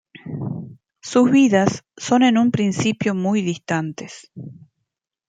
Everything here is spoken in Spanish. Sus vidas son en un principio muy distantes.